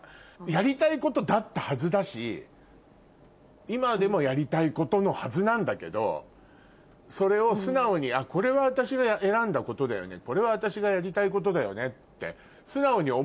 やりたいことだったはずだし今でもやりたいことのはずなんだけどそれを素直にこれは私が選んだことだよね。